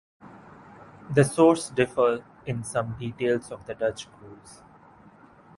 The sources differ in some details of the Dutch cruise.